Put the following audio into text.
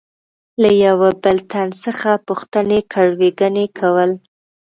له یوه بل تن څخه پوښتنې ګروېږنې کول.